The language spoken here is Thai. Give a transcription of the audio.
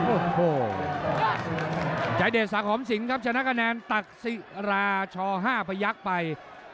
โอ้โหชายเดชสาหอมสิงครับชนะคะแนนตักศิราชพยักษ์ไป